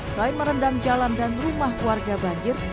selain merendam jalan dan rumah warga banjir